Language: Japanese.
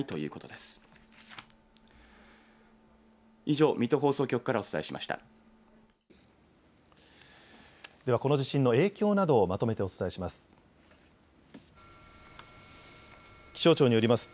では、この地震の影響などをまとめてお伝えします。